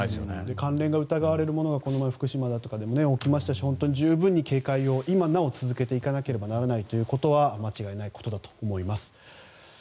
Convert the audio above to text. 関連が疑われる事件がこの前、福島でも起きましたし今なお続けていかなければいけないということは間違いないことだと思います。